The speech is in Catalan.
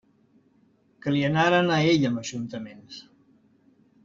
Que li anaren a ell amb ajuntaments!